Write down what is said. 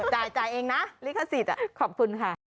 จ่ายเองนะลิขสิทธิ์ขอบคุณค่ะ